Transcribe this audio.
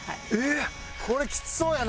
これきつそうやな。